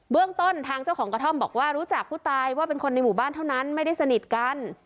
เรื่องต้นทางเจ้าของกระท่อมบอกว่ารู้จักผู้ตายว่าเป็นคนในหมู่บ้านเท่านั้นไม่ได้สนิทกัน